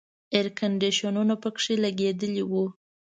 اییر کنډیشنونه پکې لګېدلي وو.